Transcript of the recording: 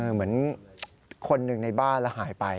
เหมือนคนหนึ่งในบ้านแล้วหายไป